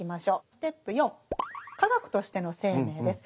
ステップ４「化学としての生命」です。